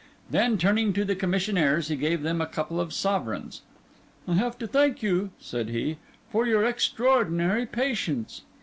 Then, turning to the commissionaires, he gave them a couple of sovereigns. "I have to thank you," said be, "for your extraordinary patience."